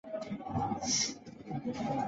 出身于东京都。